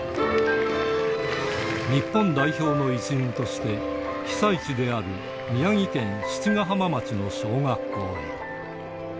日本代表の一員として、被災地である宮城県七ヶ浜町の小学校へ。